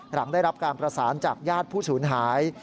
หลังได้รับการประสานจากญาติผู้สูญหาย